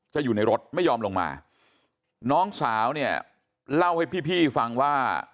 อยู่ในรถไม่ยอมลงมาน้องสาวเนี่ยเล่าให้พี่พี่ฟังว่า